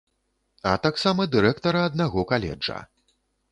А таксама дырэктара аднаго каледжа.